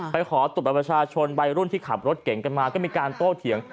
ขอตรวจบัตรประชาชนวัยรุ่นที่ขับรถเก่งกันมาก็มีการโต้เถียง